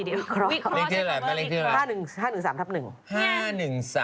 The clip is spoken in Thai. วิเคราะห์ใช่ไหมวิเคราะห์วิเคราะห์ใช่ไหมวิเคราะห์